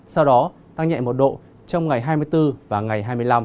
sau đó tăng nhẹ một độ trong ngày hai mươi bốn và ngày hai mươi năm